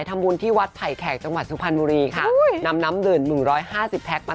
ทำบุญที่วัดไผ่แขกจังหวัดสุพรรณบุรีค่ะนำน้ำดื่มหนึ่งร้อยห้าสิบแพ็คมา